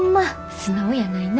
素直やないな。